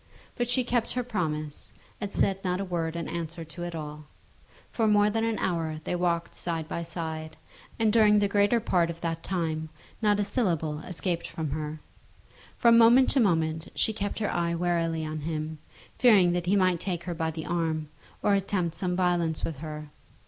But she kept her promise, and said not a word in answer to it all. For more than an hour they walked side by side, and during the greater part of that time not a syllable escaped from her. From moment to moment she kept her eye warily on him, fearing that he might take her by the arm, or attempt some violence with her.